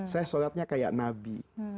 saya sholatnya seperti nabi